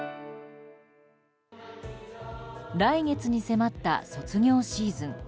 来月に迫った卒業シーズン。